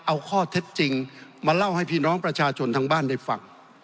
เอาข้อเท็จจริงมาเล่าให้พี่น้องประชาชนทางบ้านได้ฟัง